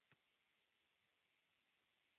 Mening yuzimga esa qizillik yugurdi